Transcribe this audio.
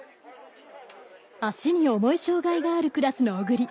足に重い障がいがあるクラスの小栗。